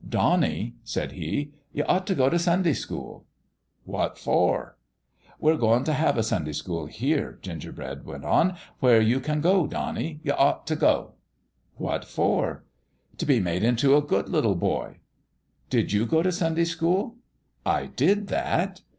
" Bonnie," said he, "you ought t' go t' Sun day school." "What for?" PALE PETER'S GAME 63 " We're goin' t' have a Sunday school here," Gingerbread went on, " where you can go. Donnie, you ought t' go." "What for?" " T' be made into a good little boy." " Did you go to Sunday school ?" "I did that!'